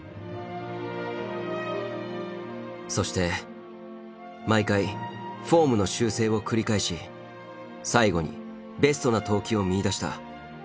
そして毎回フォームの修正を繰り返し最後にベストな投球を見いだした上野。